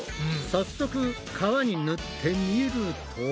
早速皮に塗ってみると。